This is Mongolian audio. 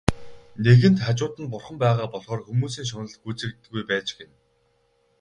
Нэгэнт хажууд нь Бурхан байгаа болохоор хүмүүсийн шунал гүйцэгддэггүй байж гэнэ.